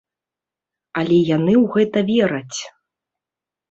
Але яны ў гэта вераць.